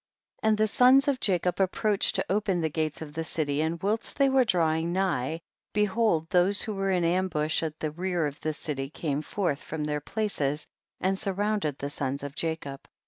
17. And the sons of Jacob ap proached to open the gates of tiie city, and whilst they were drawing nigh, behold those who were in am bush at the rear of the city came forth from their places and surround ed the sons of Jacob.